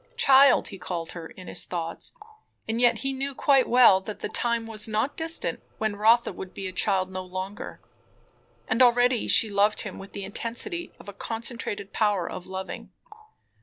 Child, he called her in his thoughts, and yet he knew quite well that the time was not distant when Rotha would be a child no longer. And already she loved him with the intensity of a concentrated power of loving.